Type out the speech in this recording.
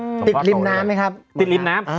ติดริมน้ำไหมครับหมดค่ะอ๋อติดริมน้ำ